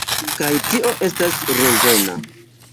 Kaj tio estas rezona.